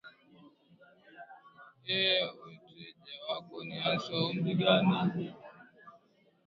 ee weteja wako ni haswa wa umri gani